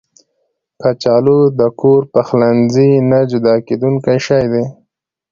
کچالو د کور پخلنځي نه جدا کېدونکی شی دی